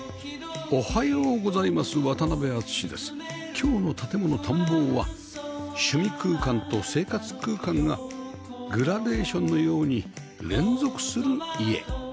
今日の『建もの探訪』は趣味空間と生活空間がグラデーションのように連続する家